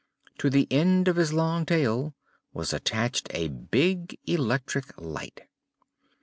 To the end of his long tail was attached a big electric light.